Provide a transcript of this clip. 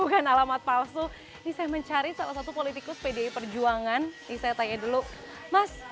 bukan alamat palsu bisa mencari salah satu politikus pdi perjuangan bisa tanya dulu mas